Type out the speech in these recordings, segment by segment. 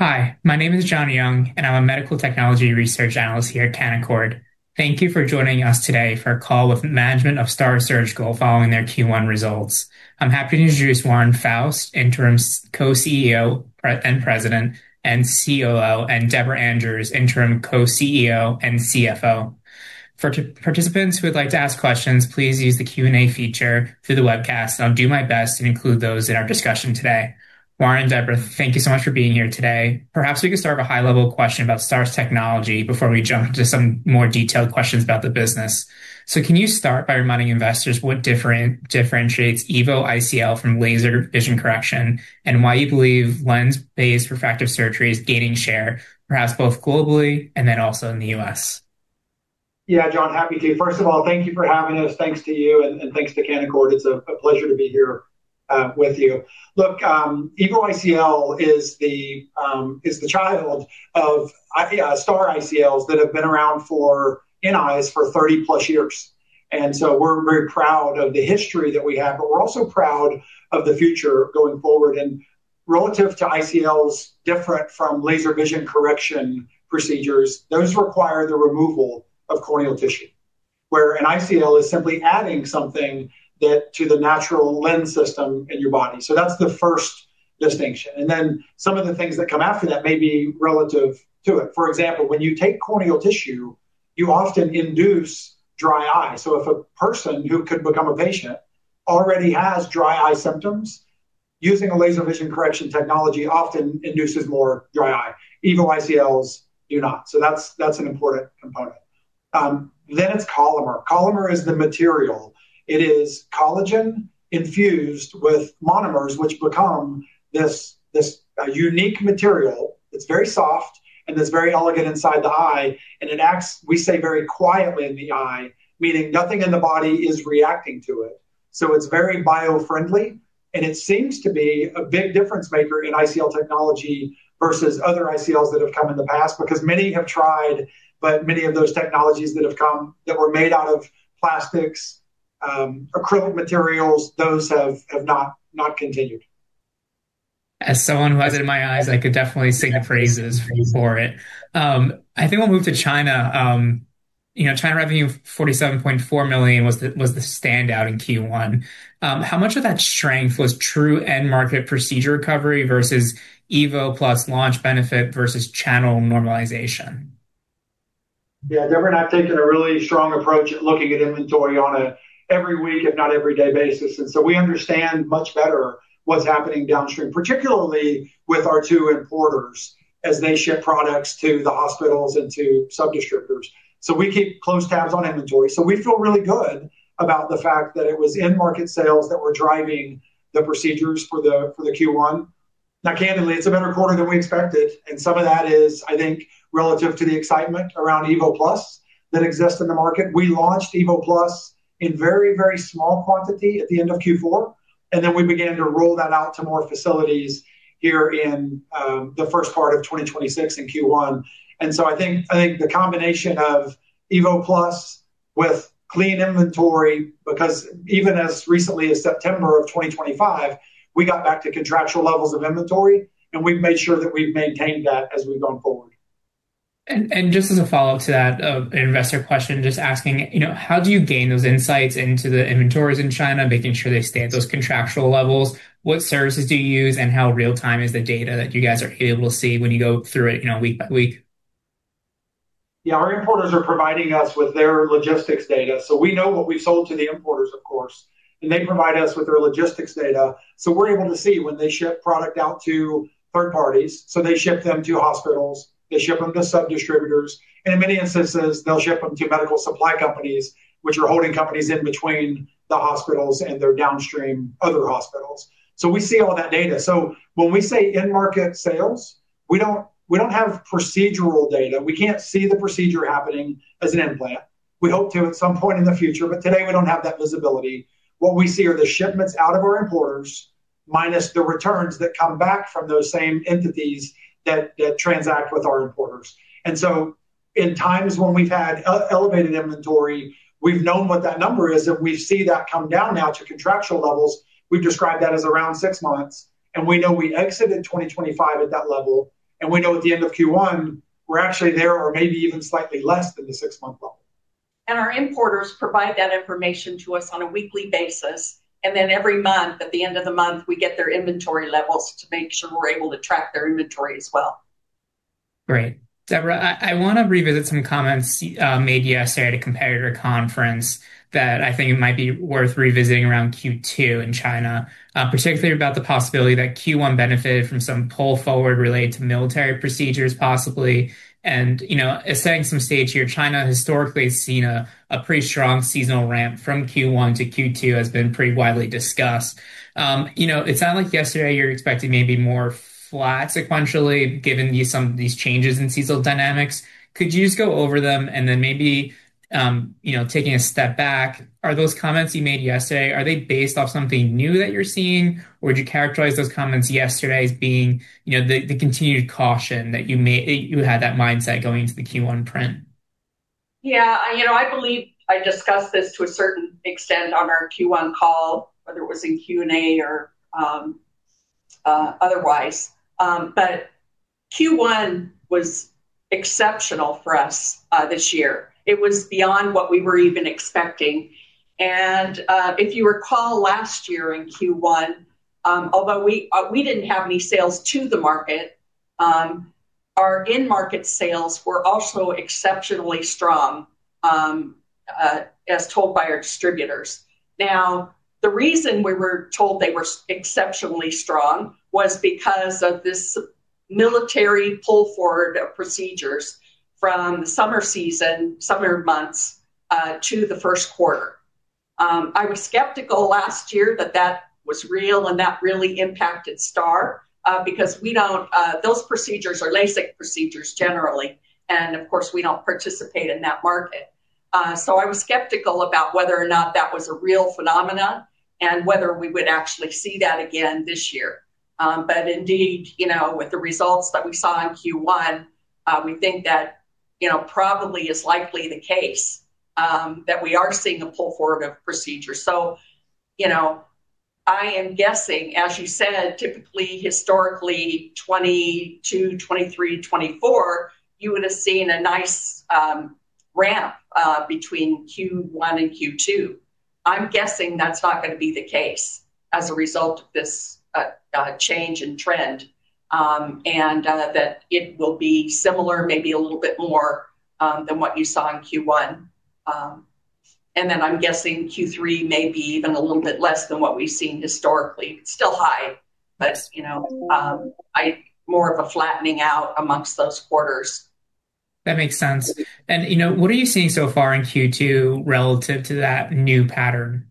Hi, my name is John Young. I'm a medical technology research analyst here at Canaccord. Thank you for joining us today for a call with management of STAAR Surgical following their Q1 results. I'm happy to introduce Warren Foust, Interim Co-Chief Executive Officer and President and Chief Operating Officer, and Deborah Andrews, Interim Co-Chief Executive Officer and Chief Financial Officer. For participants who would like to ask questions, please use the Q&A feature through the webcast. I'll do my best to include those in our discussion today. Warren, Deborah, thank you so much for being here today. Perhaps we could start with a high-level question about STAAR's technology before we jump to some more detailed questions about the business. Can you start by reminding investors what differentiates EVO ICL from laser vision correction, and why you believe lens-based refractive surgery is gaining share, perhaps both globally and then also in the U.S.? Yeah, John, happy to. First of all, thank you for having us. Thanks to you, and thanks to Canaccord. It's a pleasure to be here with you. Look, EVO ICL is the child of STAAR ICLs that have been around for in eyes for 30-plus years. We're very proud of the history that we have, but we're also proud of the future going forward. Relative to ICLs different from laser vision correction procedures, those require the removal of corneal tissue, where an ICL is simply adding something to the natural lens system in your body. That's the first distinction. Then some of the things that come after that may be relative to it. For example, when you take corneal tissue, you often induce dry eye. If a person who could become a patient already has dry eye symptoms, using a laser vision correction technology often induces more dry eye. EVO ICLs do not. That's an important component. It's Collamer. Collamer is the material. It is collagen infused with monomers, which become this unique material that's very soft and that's very elegant inside the eye. It acts, we say, very quietly in the eye, meaning nothing in the body is reacting to it. It's very bio-friendly, and it seems to be a big difference-maker in ICL technology versus other ICLs that have come in the past because many have tried, but many of those technologies that have come that were made out of plastics, acrylic materials, those have not continued. As someone who has it in my eyes, I could definitely sing praises for you for it. I think we'll move to China. China revenue of $47.4 million was the standout in Q1. How much of that strength was true end market procedure recovery versus EVO+ launch benefit versus channel normalization? Yeah, Deborah and I have taken a really strong approach at looking at inventory on a every week, if not every day, basis. We understand much better what's happening downstream, particularly with our two importers as they ship products to the hospitals and to sub-distributors. We keep close tabs on inventory. We feel really good about the fact that it was in-market sales that were driving the procedures for the Q1. Now, candidly, it's a better quarter than we expected, and some of that is, I think, relative to the excitement around EVO+ that exists in the market. We launched EVO+ in very small quantity at the end of Q4. We began to roll that out to more facilities here in the first part of 2026 in Q1. I think the combination of EVO+ with clean inventory, because even as recently as September of 2025, we got back to contractual levels of inventory, and we've made sure that we've maintained that as we've gone forward. Just as a follow-up to that, an investor question just asking, how do you gain those insights into the inventories in China, making sure they stay at those contractual levels? What services do you use, and how real time is the data that you guys are able to see when you go through it week by week? Yeah, our importers are providing us with their logistics data. We know what we've sold to the importers, of course, and they provide us with their logistics data, so we're able to see when they ship product out to third parties. They ship them to hospitals, they ship them to sub-distributors, and in many instances, they'll ship them to medical supply companies, which are holding companies in between the hospitals and their downstream other hospitals. We see all that data. When we say end-market sales, we don't have procedural data. We can't see the procedure happening as an implant. We hope to at some point in the future, but today we don't have that visibility. What we see are the shipments out of our importers minus the returns that come back from those same entities that transact with our importers. In times when we've had elevated inventory, we've known what that number is, and we see that come down now to contractual levels. We've described that as around six months, and we know we exited 2025 at that level, and we know at the end of Q1 we're actually there or maybe even slightly less than the six-month level. Our importers provide that information to us on a weekly basis, and then every month, at the end of the month, we get their inventory levels to make sure we're able to track their inventory as well. Great. Deborah, I want to revisit some comments you made yesterday at a competitor conference that I think it might be worth revisiting around Q2 in China, particularly about the possibility that Q1 benefited from some pull forward related to military procedures, possibly. Setting some stage here, China historically has seen a pretty strong seasonal ramp from Q1 to Q2, has been pretty widely discussed. It sounded like yesterday you're expecting maybe more flat sequentially given some of these changes in seasonal dynamics. Could you just go over them and then maybe taking a step back, are those comments you made yesterday, are they based off something new that you're seeing, or would you characterize those comments yesterday as being the continued caution that you had that mindset going into the Q1 print? Yeah. I believe I discussed this to a certain extent on our Q1 call, whether it was in Q&A or otherwise. Q1 was exceptional for us this year. It was beyond what we were even expecting. If you recall last year in Q1, although we didn't have any sales to the market, our in-market sales were also exceptionally strong as told by our distributors. Now, the reason we were told they were exceptionally strong was because of this military pull forward of procedures from the summer season, summer months, to the first quarter. I was skeptical last year that that was real and that really impacted STAAR, because those procedures are LASIK procedures generally, and of course, we don't participate in that market. I was skeptical about whether or not that was a real phenomenon and whether we would actually see that again this year. Indeed, with the results that we saw in Q1, we think that probably is likely the case, that we are seeing a pull forward of procedures. I am guessing, as you said, typically historically 2022, 2023, 2024, you would have seen a nice ramp between Q1 and Q2. I'm guessing that's not going to be the case as a result of this change in trend. That it will be similar, maybe a little bit more, than what you saw in Q1. Then I'm guessing Q3 may be even a little bit less than what we've seen historically. Still high, but more of a flattening out amongst those quarters. That makes sense. What are you seeing so far in Q2 relative to that new pattern?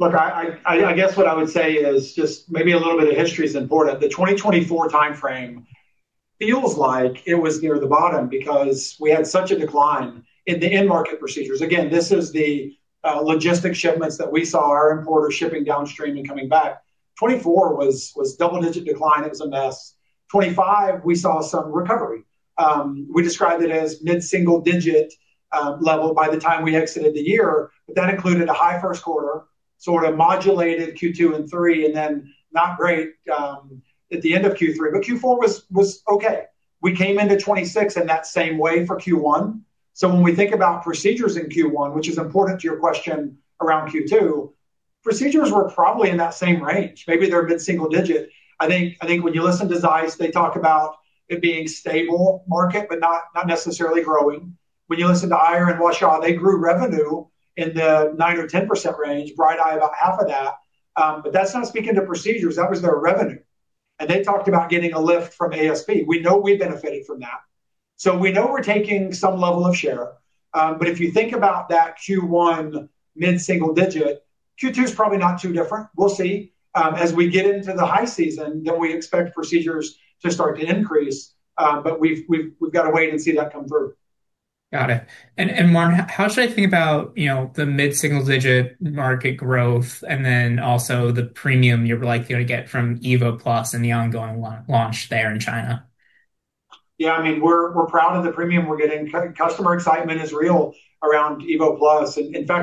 Look, I guess what I would say is just maybe a little bit of history is important. The 2024 timeframe feels like it was near the bottom because we had such a decline in the end market procedures. Again, this is the logistic shipments that we saw our importer shipping downstream and coming back. 2024 was double-digit decline. It was a mess. 2025, we saw some recovery. We described it as mid-single digit level by the time we exited the year. That included a high first quarter, sort of modulated Q2 and three, and then not great at the end of Q3, but Q4 was okay. We came into 2026 in that same way for Q1. When we think about procedures in Q1, which is important to your question around Q2, procedures were probably in that same range. Maybe they're mid-single digit. I think when you listen to ZEISS, they talk about it being stable market but not necessarily growing. When you listen to Aier and Huaxia, they grew revenue in the nine or 10% range. BrightEye, about half of that. That's not speaking to procedures, that was their revenue. They talked about getting a lift from ASP. We know we benefited from that. We know we're taking some level of share. If you think about that Q1 mid-single digit, Q2 is probably not too different. We'll see. As we get into the high season, then we expect procedures to start to increase, but we've got to wait and see that come through. Got it. Warren, how should I think about the mid-single digit market growth and then also the premium you're likely to get from EVO+ and the ongoing launch there in China? Yeah, we're proud of the premium we're getting. Customer excitement is real around EVO+.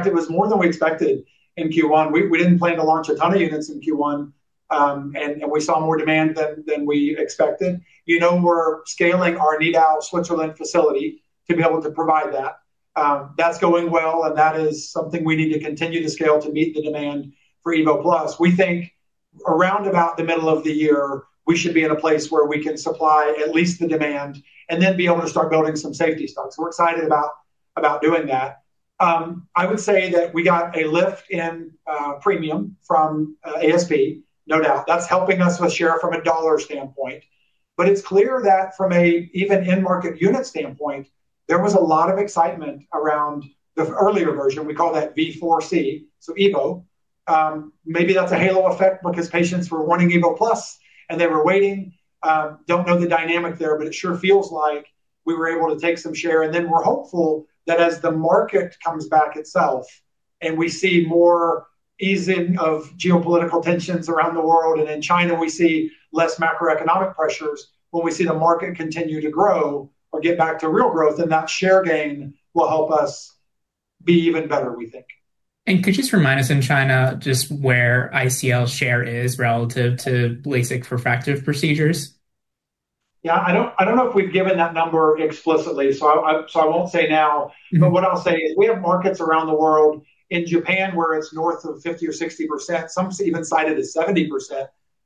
It was more than we expected in Q1. We didn't plan to launch a ton of units in Q1, and we saw more demand than we expected. We're scaling our Nidau, Switzerland facility to be able to provide that. That's going well, and that is something we need to continue to scale to meet the demand for EVO+. We think around about the middle of the year, we should be in a place where we can supply at least the demand and then be able to start building some safety stocks. We're excited about doing that. I would say that we got a lift in premium from ASP, no doubt. That's helping us with share from a dollar standpoint. It's clear that from a even in-market unit standpoint, there was a lot of excitement around the earlier version. We call that V4c, so EVO. Maybe that's a halo effect because patients were wanting EVO+ and they were waiting. Don't know the dynamic there, it sure feels like we were able to take some share. We're hopeful that as the market comes back itself and we see more easing of geopolitical tensions around the world and in China, we see less macroeconomic pressures. When we see the market continue to grow or get back to real growth, then that share gain will help us be even better, we think. Could you just remind us in China just where ICL share is relative to LASIK refractive procedures? Yeah, I don't know if we've given that number explicitly, so I won't say now. What I'll say is we have markets around the world, in Japan where it's north of 50% or 60%, some even cite it as 70%,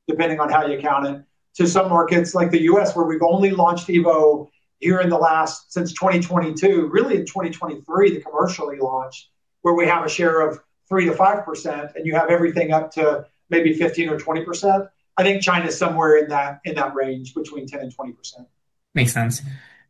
depending on how you count it. To some markets like the U.S., where we've only launched EVO here in the last, since 2022, really in 2023, the commercially launched, where we have a share of 3%-5% and you have everything up to maybe 15% or 20%. I think China's somewhere in that range between 10% and 20%. Makes sense.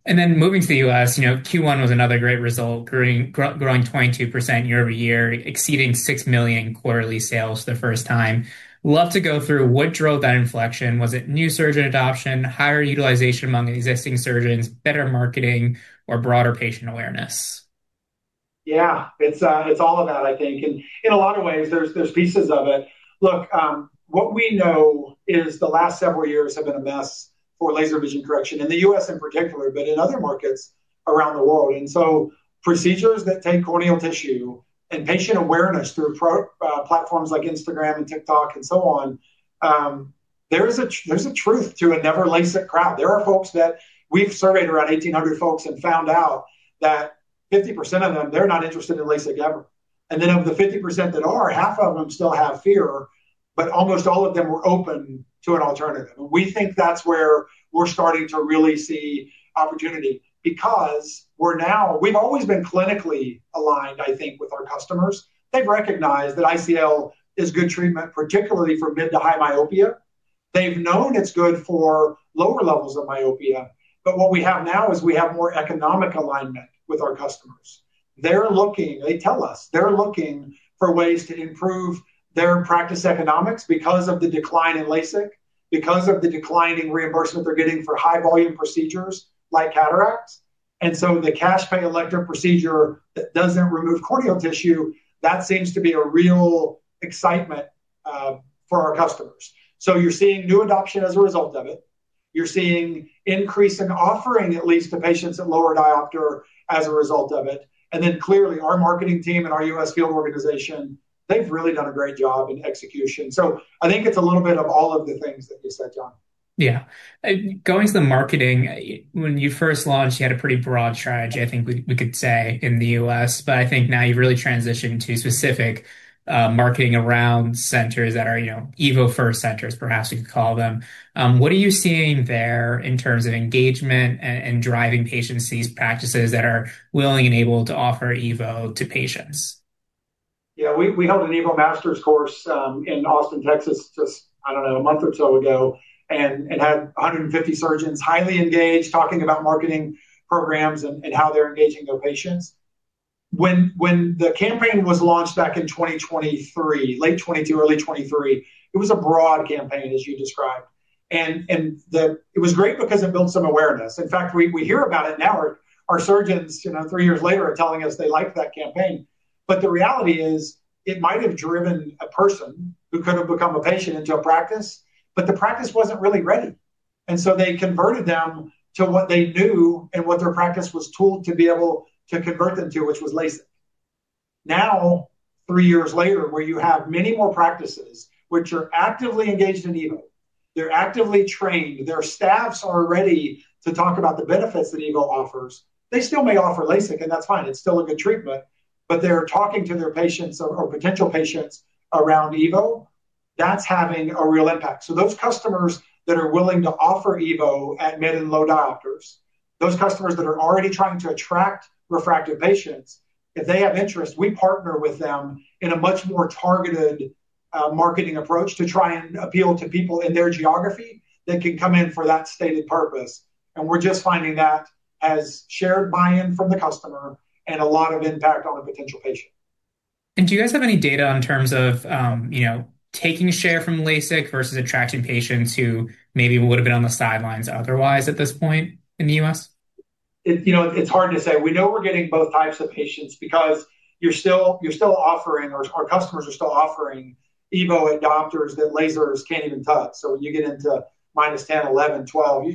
Moving to the U.S., Q1 was another great result, growing 22% year-over-year, exceeding $6 million quarterly sales the first time. Love to go through what drove that inflection. Was it new surgeon adoption, higher utilization among existing surgeons, better marketing or broader patient awareness? It's all of that, I think. In a lot of ways, there's pieces of it. Look, what we know is the last several years have been a mess for laser vision correction in the U.S. in particular, but in other markets around the world. Procedures that take corneal tissue and patient awareness through platforms like Instagram and TikTok and so on, there's a truth to a never LASIK crowd. There are folks that we've surveyed around 1,800 folks and found out that 50% of them, they're not interested in LASIK ever. Of the 50% that are, half of them still have fear, but almost all of them were open to an alternative. We think that's where we're starting to really see opportunity because we've always been clinically aligned, I think, with our customers. They've recognized that ICL is good treatment, particularly for mid to high myopia. They've known it's good for lower levels of myopia. What we have now is we have more economic alignment with our customers. They tell us they're looking for ways to improve their practice economics because of the decline in LASIK, because of the decline in reimbursement they're getting for high volume procedures like cataracts. The cash pay elective procedure that doesn't remove corneal tissue, that seems to be a real excitement for our customers. You're seeing new adoption as a result of it. You're seeing increase in offering at least to patients at lower diopter as a result of it. Clearly our marketing team and our U.S. field organization, they've really done a great job in execution. I think it's a little bit of all of the things that you said, John. Yeah. Going to the marketing, when you first launched, you had a pretty broad strategy, I think we could say, in the U.S., but I think now you've really transitioned to specific marketing around centers that are EVO-first centers, perhaps you could call them. What are you seeing there in terms of engagement and driving patients to these practices that are willing and able to offer EVO to patients? We held an EVO Masters course in Austin, Texas, just, I don't know, a month or so ago, and had 150 surgeons highly engaged, talking about marketing programs and how they're engaging their patients. When the campaign was launched back in 2023, late 2022, early 2023, it was a broad campaign as you described. It was great because it built some awareness. In fact, we hear about it now. Our surgeons three years later are telling us they liked that campaign. The reality is it might have driven a person who could have become a patient into a practice, but the practice wasn't really ready. They converted them to what they knew and what their practice was tooled to be able to convert them to, which was LASIK. Three years later, where you have many more practices which are actively engaged in EVO, they're actively trained, their staffs are ready to talk about the benefits that EVO offers. They still may offer LASIK, that's fine. It's still a good treatment. They're talking to their patients or potential patients around EVO. That's having a real impact. Those customers that are willing to offer EVO at mid and low diopters, those customers that are already trying to attract refractive patients, if they have interest, we partner with them in a much more targeted marketing approach to try and appeal to people in their geography that can come in for that stated purpose. We're just finding that as shared buy-in from the customer and a lot of impact on the potential patient. Do you guys have any data in terms of taking share from LASIK versus attracting patients who maybe would've been on the sidelines otherwise at this point in the U.S.? It's hard to say. We know we're getting both types of patients because you're still offering, or our customers are still offering EVO at diopters that lasers can't even touch. You get into -10, 11, 12,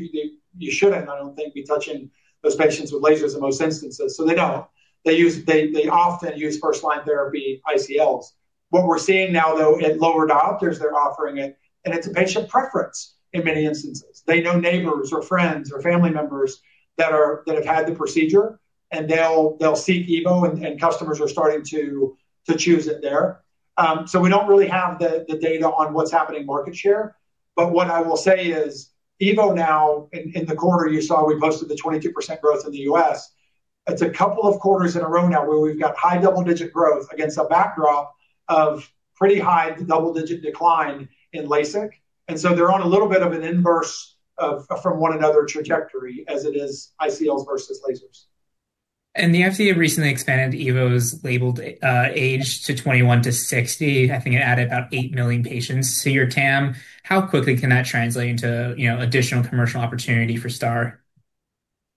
you shouldn't, I don't think, be touching those patients with lasers in most instances. They don't. They often use first-line therapy ICLs. What we're seeing now, though, at lower diopters, they're offering it, and it's a patient preference in many instances. They know neighbors or friends or family members that have had the procedure, and they'll seek EVO, and customers are starting to choose it there. We don't really have the data on what's happening market share. What I will say is EVO now in the quarter you saw we posted the 22% growth in the U.S., it's a couple of quarters in a row now where we've got high double-digit growth against a backdrop of pretty high double-digit decline in LASIK. They're on a little bit of an inverse from one another trajectory as it is ICLs versus lasers. The FDA recently expanded EVO's labeled age to 21-60. I think it added about eight million patients to your TAM. How quickly can that translate into additional commercial opportunity for STAAR?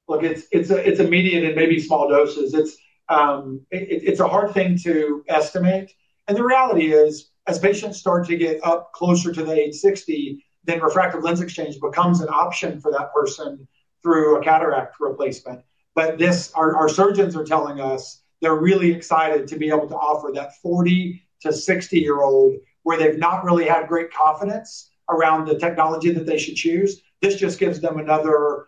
Look, it's immediate in maybe small doses. It's a hard thing to estimate, and the reality is as patients start to get up closer to the age 60, then refractive lens exchange becomes an option for that person through a cataract replacement. Our surgeons are telling us they're really excited to be able to offer that 40 to 60-year-old where they've not really had great confidence around the technology that they should choose. This just gives them another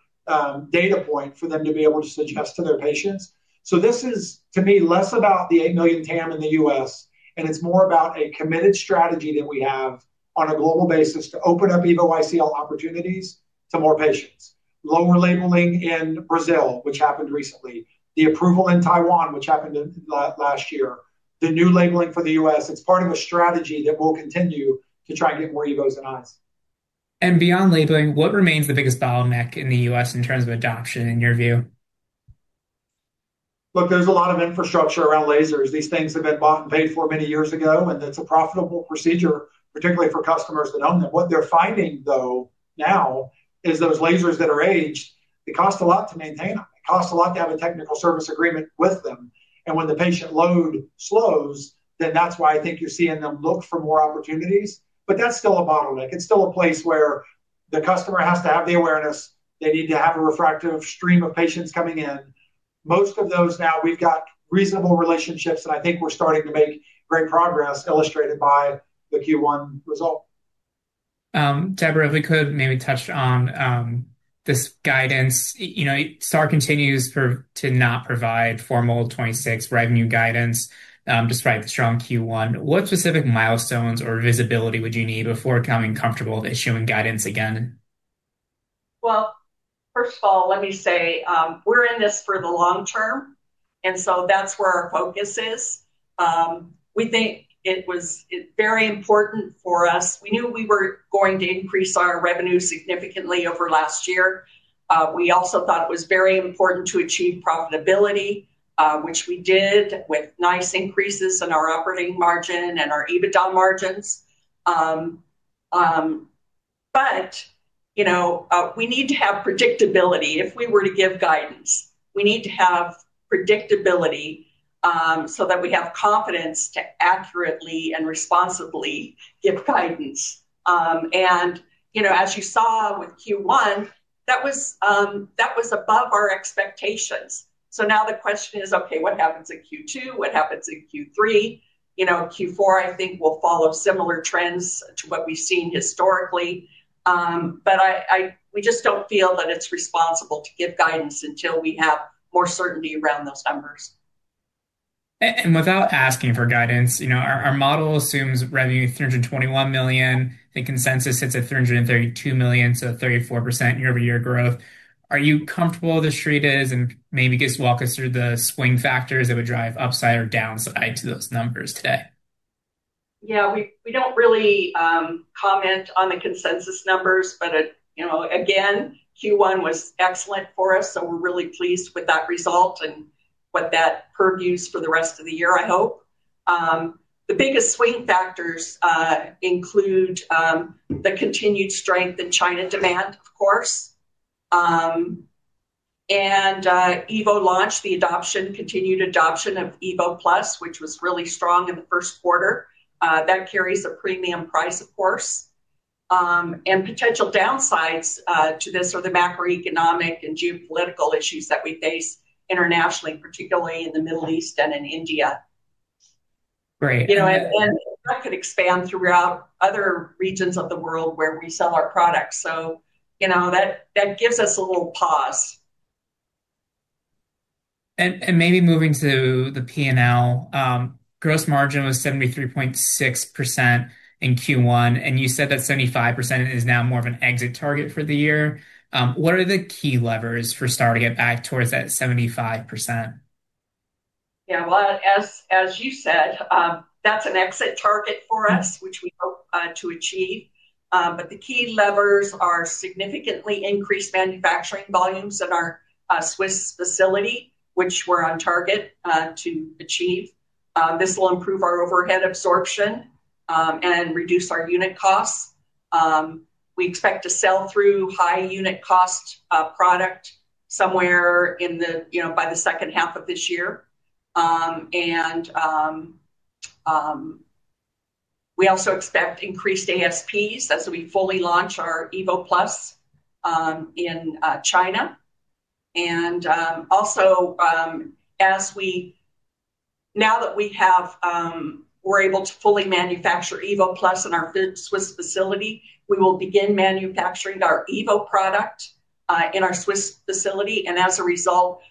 data point for them to be able to suggest to their patients. This is, to me, less about the eight million TAM in the U.S., and it's more about a committed strategy that we have on a global basis to open up EVO ICL opportunities to more patients. Lower labeling in Brazil, which happened recently, the approval in Taiwan, which happened last year, the new labeling for the U.S., it's part of a strategy that we'll continue to try and get more EVO's in eyes. Beyond labeling, what remains the biggest bottleneck in the U.S. in terms of adoption in your view? Look, there's a lot of infrastructure around lasers. These things have been bought and paid for many years ago, and it's a profitable procedure, particularly for customers that own them. What they're finding, though, now, is those lasers that are aged, they cost a lot to maintain them. It costs a lot to have a technical service agreement with them. When the patient load slows, then that's why I think you're seeing them look for more opportunities. That's still a bottleneck. It's still a place where the customer has to have the awareness. They need to have a refractive stream of patients coming in. Most of those now, we've got reasonable relationships, and I think we're starting to make great progress, illustrated by the Q1 result. Deborah, if we could maybe touch on this guidance. STAAR continues to not provide formal 2026 revenue guidance despite the strong Q1. What specific milestones or visibility would you need before becoming comfortable issuing guidance again? First of all, let me say, we're in this for the long term, that's where our focus is. We think it was very important for us. We knew we were going to increase our revenue significantly over last year. We also thought it was very important to achieve profitability, which we did with nice increases in our operating margin and our EBITDA margins. We need to have predictability if we were to give guidance. We need to have predictability, so that we have confidence to accurately and responsibly give guidance. As you saw with Q1, that was above our expectations. Now the question is, okay, what happens in Q2? What happens in Q3? Q4, I think, will follow similar trends to what we've seen historically. We just don't feel that it's responsible to give guidance until we have more certainty around those numbers. Without asking for guidance, our model assumes revenue $321 million. I think consensus sits at $332 million, 34% year-over-year growth. Are you comfortable where the street is? Maybe just walk us through the swing factors that would drive upside or downside to those numbers today. We don't really comment on the consensus numbers, but again, Q1 was excellent for us, so we're really pleased with that result and what that purviews for the rest of the year, I hope. The biggest swing factors include the continued strength in China demand, of course. EVO launch, the adoption, continued adoption of EVO+, which was really strong in the first quarter. That carries a premium price, of course. Potential downsides to this are the macroeconomic and geopolitical issues that we face internationally, particularly in the Middle East and in India. Right. That could expand throughout other regions of the world where we sell our products. That gives us a little pause. Maybe moving to the P&L. Gross margin was 73.6% in Q1. You said that 75% is now more of an exit target for the year. What are the key levers for starting it back towards that 75%? Yeah. Well, as you said, that's an exit target for us, which we hope to achieve. The key levers are significantly increased manufacturing volumes in our Swiss facility, which we're on target to achieve. This will improve our overhead absorption, and reduce our unit costs. We expect to sell through high unit cost product somewhere by the second half of this year. We also expect increased ASPs as we fully launch our EVO+ in China. Also, now that we're able to fully manufacture EVO+ in our Swiss facility, we will begin manufacturing our EVO product in our Swiss facility, and as a result,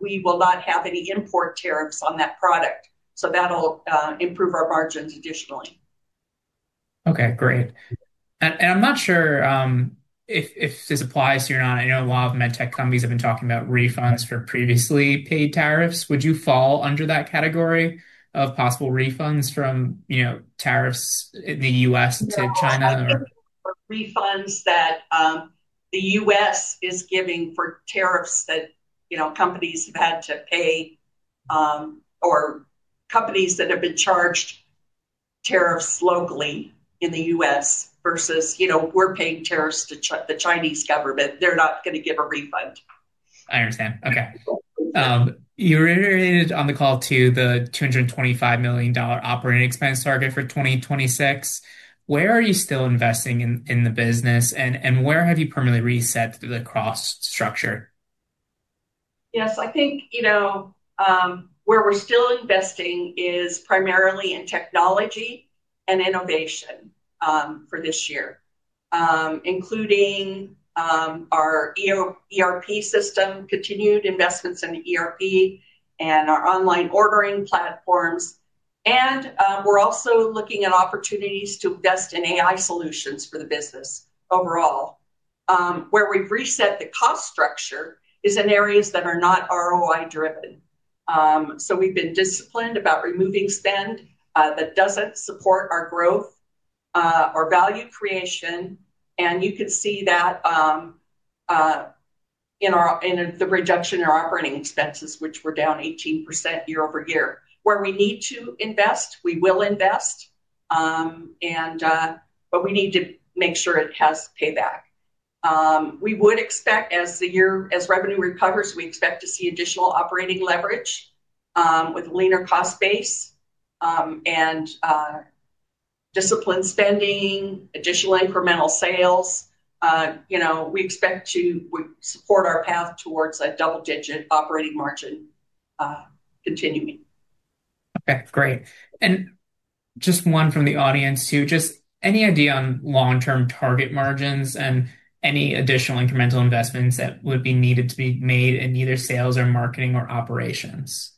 we will not have any import tariffs on that product. That'll improve our margins additionally. Okay, great. I'm not sure if this applies to you or not. I know a lot of med tech companies have been talking about refunds for previously paid tariffs. Would you fall under that category of possible refunds from tariffs in the U.S. to, say, China? Refunds that the U.S. is giving for tariffs that companies have had to pay, or companies that have been charged tariffs locally in the U.S. versus we're paying tariffs to the Chinese government, they're not going to give a refund. I understand. Okay. You reiterated on the call too, the $225 million operating expense target for 2026. Where are you still investing in the business and where have you permanently reset the cost structure? I think, where we're still investing is primarily in technology and innovation for this year, including our ERP system, continued investments in ERP, and our online ordering platforms. We're also looking at opportunities to invest in AI solutions for the business overall. Where we've reset the cost structure is in areas that are not ROI driven. We've been disciplined about removing spend that doesn't support our growth or value creation. You can see that in the reduction in our operating expenses, which were down 18% year-over-year. Where we need to invest, we will invest, but we need to make sure it has payback. We would expect as revenue recovers, we expect to see additional operating leverage with a leaner cost base and disciplined spending, additional incremental sales. We expect to support our path towards a double-digit operating margin continuing. Okay, great. Just one from the audience too, just any idea on long-term target margins and any additional incremental investments that would be needed to be made in either sales or marketing or operations?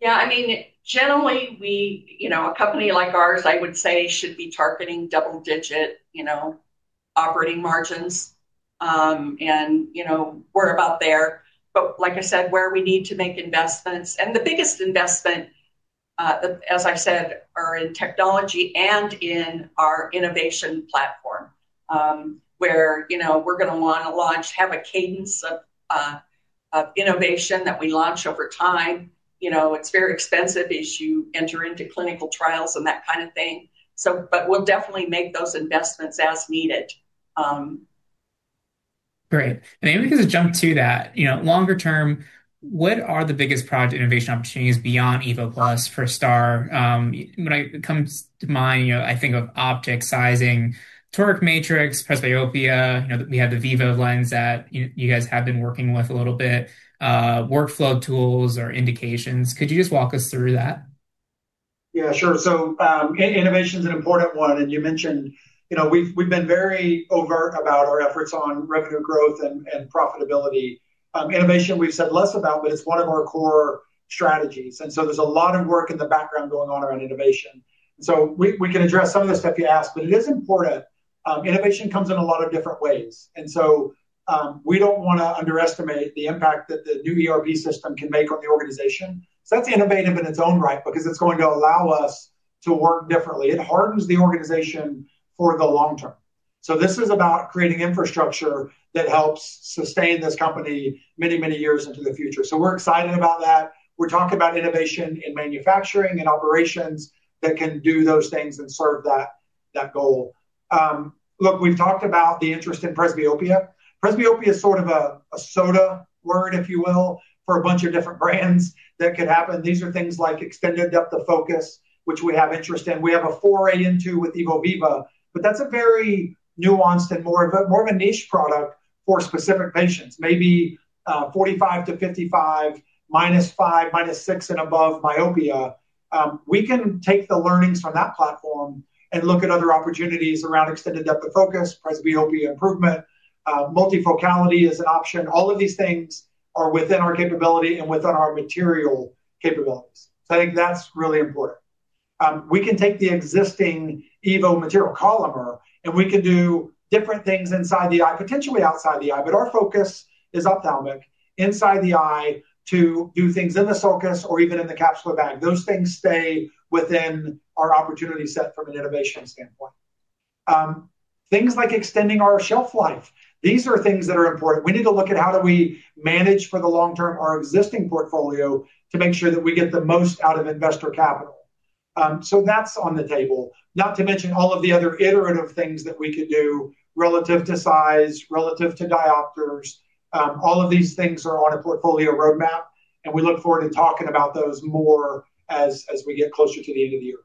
Yeah. Generally, a company like ours, I would say, should be targeting double-digit operating margins. We're about there. Like I said, where we need to make investments, and the biggest investment, as I said, are in technology and in our innovation platform, where we're going to want to launch, have a cadence of innovation that we launch over time. It's very expensive as you enter into clinical trials and that kind of thing. We'll definitely make those investments as needed. Great. Maybe we can just jump to that. Longer term, what are the biggest product innovation opportunities beyond EVO+ for STAAR? When it comes to mind, I think of optic sizing, toric matrix, presbyopia. We have the Viva lens that you guys have been working with a little bit, workflow tools or indications. Could you just walk us through that? Yeah, sure. Innovation is an important one, and you mentioned we've been very overt about our efforts on revenue growth and profitability. Innovation we've said less about, but it's one of our core strategies, there's a lot of work in the background going on around innovation. We can address some of the stuff you asked, but it is important. Innovation comes in a lot of different ways, we don't want to underestimate the impact that the new ERP system can make on the organization. That's innovative in its own right because it's going to allow us to work differently. It hardens the organization for the long term. This is about creating infrastructure that helps sustain this company many, many years into the future. We're excited about that. We're talking about innovation in manufacturing and operations that can do those things and serve that goal. Look, we've talked about the interest in presbyopia. Presbyopia is sort of a soda word, if you will, for a bunch of different brands that could happen. These are things like extended depth of focus, which we have interest in. We have a foray into with EVO Viva, but that's a very nuanced and more of a niche product for specific patients, maybe 45-55, -5, -6, and above myopia. We can take the learnings from that platform and look at other opportunities around extended depth of focus, presbyopia improvement. Multifocality is an option. All of these things are within our capability and within our material capabilities. I think that's really important. We can take the existing EVO Collamer and we can do different things inside the eye, potentially outside the eye. Our focus is ophthalmic inside the eye to do things in the sulcus or even in the capsular bag. Those things stay within our opportunity set from an innovation standpoint. Things like extending our shelf life, these are things that are important. We need to look at how do we manage for the long term our existing portfolio to make sure that we get the most out of investor capital. That's on the table, not to mention all of the other iterative things that we could do relative to size, relative to diopters. All of these things are on a portfolio roadmap, and we look forward to talking about those more as we get closer to the end of the year.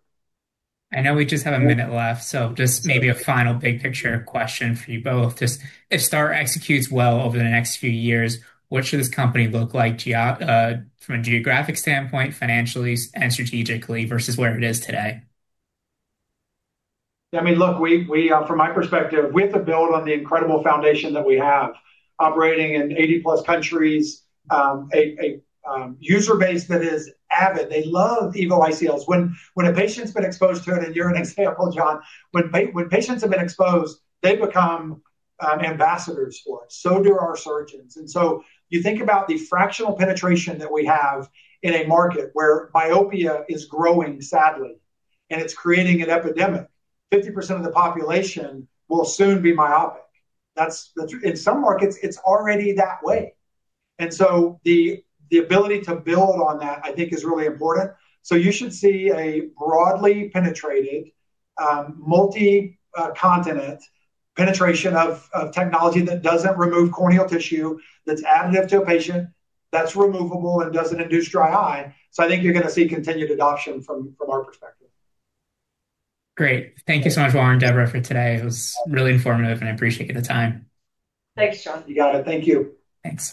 I know we just have a minute left, so just maybe a final big-picture question for you both. Just if STAAR executes well over the next few years, what should this company look like from a geographic standpoint, financially and strategically versus where it is today? From my perspective, with the build on the incredible foundation that we have operating in 80-plus countries, a user base that is avid. They love EVO ICLs. When a patient's been exposed to it, and you're an example, John. When patients have been exposed, they become ambassadors for it, so do our surgeons. You think about the fractional penetration that we have in a market where myopia is growing, sadly, and it's creating an epidemic. 50% of the population will soon be myopic. In some markets, it's already that way. The ability to build on that, I think is really important. You should see a broadly penetrating, multi-continent penetration of technology that doesn't remove corneal tissue, that's additive to a patient, that's removable and doesn't induce dry eye. I think you're going to see continued adoption from our perspective. Great. Thank you so much, Warren, Deborah for today. It was really informative, and I appreciate the time. Thanks, John. You got it. Thank you. Thanks.